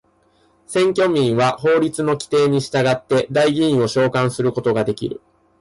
選挙民は法律の規定に従って代議員を召還することができる。